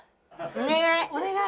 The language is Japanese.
お願い！